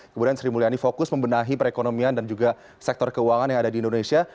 kemudian sri mulyani fokus membenahi perekonomian dan juga sektor keuangan yang ada di indonesia